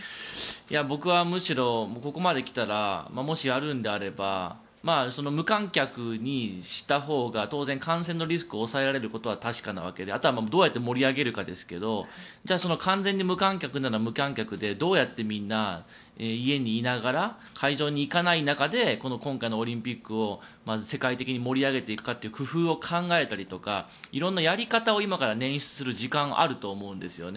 僕はむしろここまで来たらもしやるのであれば無観客にしたほうが当然感染のリスクを抑えられることは確かなわけであとはどう盛り上げるかですがじゃあ完全に無観客なら無観客でどうやってみんな家にいながら会場に行かない中で今回のオリンピックを世界的に盛り上げていくかという工夫を考えたりとか色んなやり方を捻出する時間はあると思うんですよね。